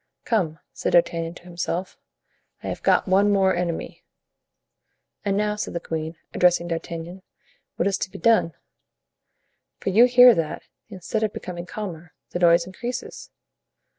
"Come," said D'Artagnan to himself, "I have got one more enemy." "And now," said the queen, addressing D'Artagnan, "what is to be done? for you hear that, instead of becoming calmer, the noise increases."